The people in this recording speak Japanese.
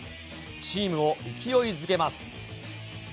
チームを勢いづけます。